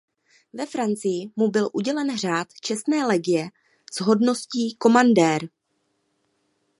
Ve Francii mu byl udělen Řád čestné legie s hodností komandér.